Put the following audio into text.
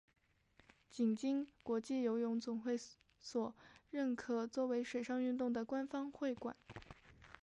并经国际游泳总会所认可作为水上运动的官方会馆。